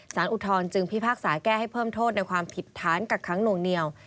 อุทธรณ์จึงพิพากษาแก้ให้เพิ่มโทษในความผิดฐานกักค้างหน่วงเหนียว